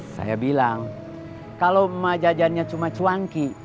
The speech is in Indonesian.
saya bilang kalau emak jajannya cuma cuangki